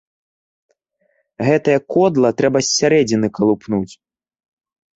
Гэтае кодла трэба з сярэдзіны калупнуць.